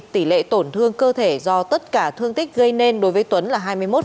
tỷ lệ tổn thương cơ thể do tất cả thương tích gây nên đối với tuấn là hai mươi một